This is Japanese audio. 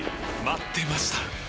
待ってました！